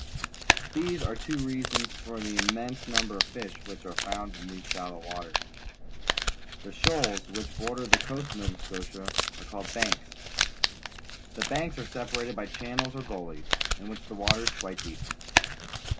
These are two reasons for the immense number of fish which are found in these shallow waters. The shoals which border the coast of Nova Scotia are called banks. The banks are separated by channels or gullies, in which the water is quite deep.